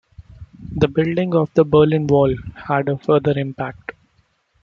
The building of the Berlin Wall had a further impact.